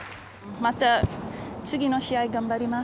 また次の試合頑張ります。